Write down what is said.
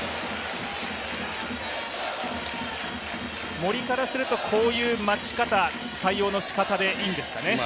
森からすると、こういう待ち方、対応のしかたでいいんですか？